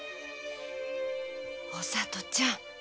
お里ちゃん。